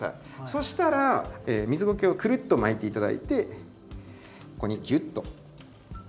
そしたら水ゴケをくるっと巻いて頂いてここにギュッと。